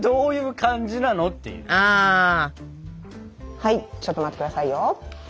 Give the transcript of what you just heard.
はいちょっと待ってくださいよ。